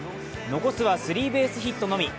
残すはスリーベースヒットのみ。